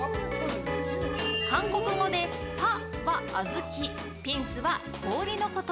韓国語で「パッ」は小豆「ピンス」は氷のこと。